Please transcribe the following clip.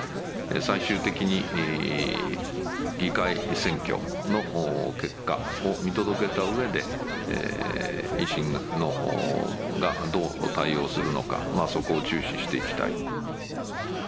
最終的に議会選挙の結果を見届けたうえで、維新がどう対応するのか、そこを注視していきたい。